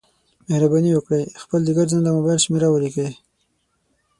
مهرباني وکړئ خپل د ګرځنده مبایل شمېره ولیکئ